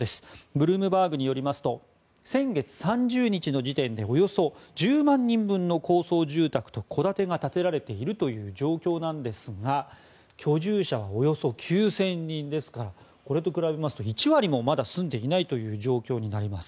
ブルームバーグによりますと先月３０日の時点でおよそ１０万人分の高層住宅と戸建てが建てられている状況ですが居住者はおよそ９０００人ですから１割もまだ住んでいないという状況になります。